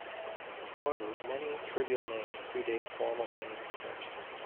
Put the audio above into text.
However, many trivial names predate formal naming conventions.